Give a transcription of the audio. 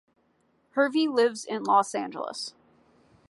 Hervey lives in Los Angeles.